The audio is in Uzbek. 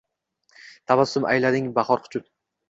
Tabassum aylading bahor quchib!